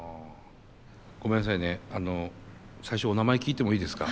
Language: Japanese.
ごめんなさいねあの最初お名前聞いてもいいですか？